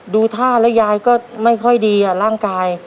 ดูท่าแล้วยายก็ไม่ค่อยดีร่างกาย